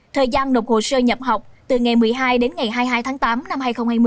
thời gian nộp hồ sơ nhập học từ ngày một mươi hai đến ngày hai mươi hai tháng tám năm hai nghìn hai mươi